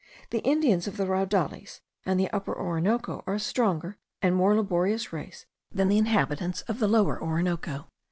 The Indians of the Raudales and the Upper Orinoco are a stronger and more laborious race than the inhabitants of the Lower Orinoco.